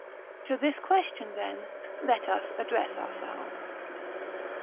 To this question, then, let us address ourselves.